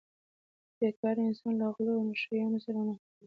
بې کاره انسان له غلو او نشه یانو سره مخ کیږي